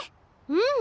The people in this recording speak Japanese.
うん！